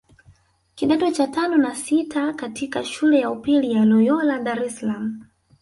kidato cha tano na sita katika shule ya upili ya Loyola Dar es Salaam